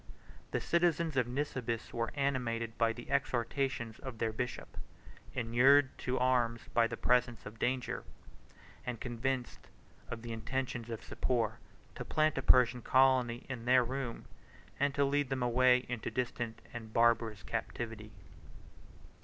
The citizens of Nisibis were animated by the exhortations of their bishop, 65 inured to arms by the presence of danger, and convinced of the intentions of Sapor to plant a Persian colony in their room, and to lead them away into distant and barbarous captivity.